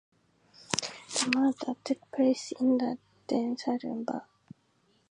The murder took place in the then saloon bar.